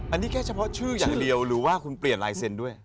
อันนี้แค่เฉพาะชื่ออย่างเดียวหรือว่าคุณเปลี่ยนลายเซ็นต์ด้วย